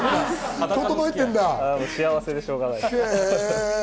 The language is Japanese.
幸せでしょうがないです。